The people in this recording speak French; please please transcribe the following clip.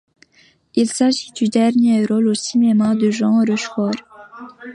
Il s'agit du dernier rôle au cinéma de Jean Rochefort.